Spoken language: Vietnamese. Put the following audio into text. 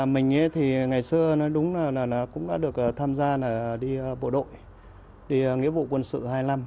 mình thì ngày xưa nói đúng là cũng đã được tham gia đi bộ đội đi nghĩa vụ quân sự hai mươi năm